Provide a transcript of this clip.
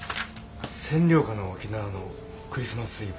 占領下の沖縄のクリスマスイブ。